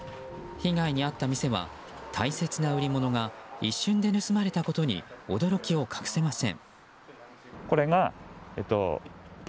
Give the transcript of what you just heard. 被害に遭った店は大切な売り物が一瞬で盗まれたことに驚きを隠せません。